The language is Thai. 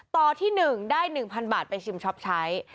ต่อที่๑ได้๑๐๐๐บาทไปชิมช็อปใช้